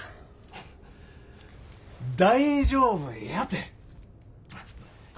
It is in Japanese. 大丈夫やて。